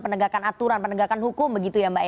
penegakan aturan penegakan hukum begitu ya mbak